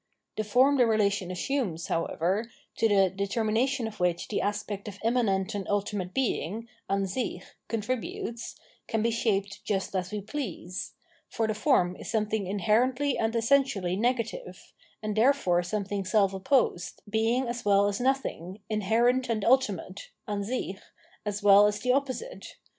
The form the relation assumes, however, to the determination of which the aspect of immanent and ultimate being [Ansich) contri butes, can be shaped just as we please ; for the form is something inherently and essentially negative, and the ^'fore something self opposed, being as well as noth^g^ inherent and ultimate {Ansich) as well as the o^pQgi^e